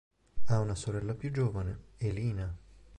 Ha una sorella più giovane, Elina.